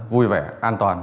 vui vẻ an toàn